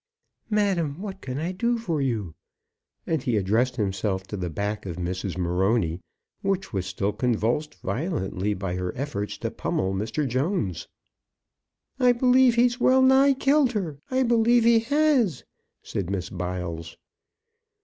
"Madam, what can I do for you?" And he addressed himself to the back of Mrs. Marony, which was still convulsed violently by her efforts to pummel Mr. Jones. "I believe he's well nigh killed her; I believe he has," said Miss Biles.